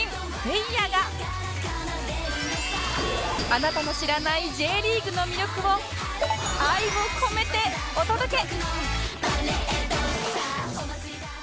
あなたの知らない Ｊ リーグの魅力を愛を込めてお届け！